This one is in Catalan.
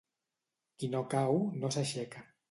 Qui no cau, no s'aixeca.